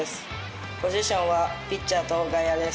ポジションはピッチャーと外野です。